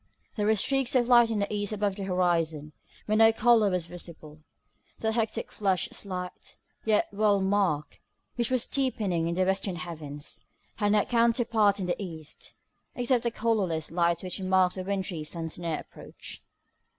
There were streaks of light in the east above the horizon, but no colour was visible. That hectic flush slight, yet well marked which was deepening in the western heavens, had no counterpart in the east, except the colourless light which marked the wintry sun's near approach.